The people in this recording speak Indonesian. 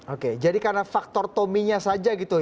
oke jadi karena faktor tommy nya saja gitu ya